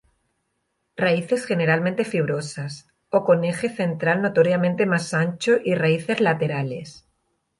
Raíces generalmente fibrosas o con un eje central notoriamente más ancho y raíces laterales.